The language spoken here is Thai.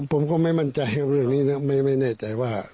ผมก็ไม่มั่นใจเรื่องนี้นะไม่แน่ใจว่า